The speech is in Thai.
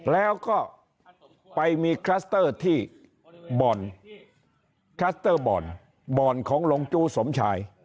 แล้วก็ไปมีคลัสเตอร์ที่บ่อนคลัสเตอร์บ่อนบ่อนของลงจู้สมชาย